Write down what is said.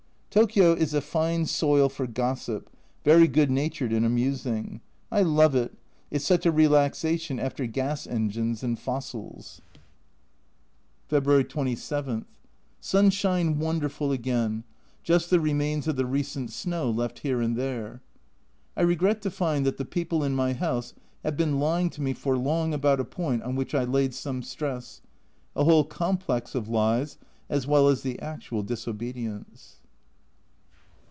Tokio is a fine soil for gossip, very good natured and amusing. I love it, it's such a relaxation after gas engines and fossils. io8 A Journal from Japan February 27. Sunshine wonderful again just the remains of the recent snow left here and there. I regret to find that the people in my house have been lying to me for long about a point on which I laid some stress a whole complex of lies as well as the actual disobedience.